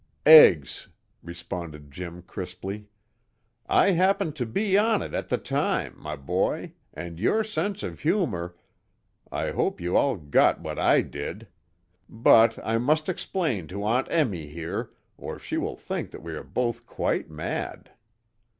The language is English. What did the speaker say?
"Eggs!" responded Jim crisply. "I happened to be on it at the time, my boy, and your sense of humor I hope you all got what I did! But I must explain to Aunt Emmy here, or she will think that we are both quite mad!"